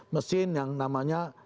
mesin yang namanya